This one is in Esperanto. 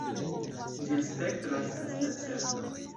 Ĝia spektro estas necerta.